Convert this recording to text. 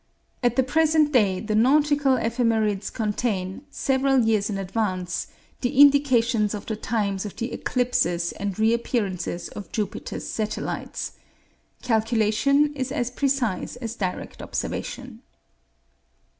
At the present day the nautical ephemerides contain, several years in advance, the indications of the times of the eclipses and reappearances of Jupiter's satellites. Calculation is as precise as direct observation.